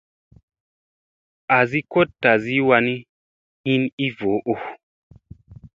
Azi kot tazi wani, hin i voo.